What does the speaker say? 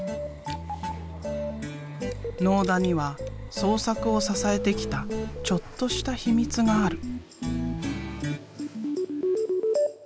納田には創作を支えてきたちょっとしたヒミツがある。